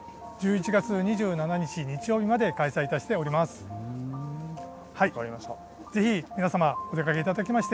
１１月２７日日曜日まで開催しております。